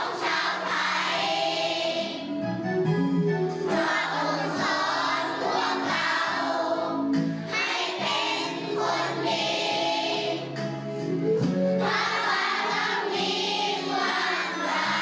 ทรงช่วยทรงเสิร์ฟปล่อยสรุปมาได้ซักทีสร้างให้คนดีพ่อพ่าก็มีความใจ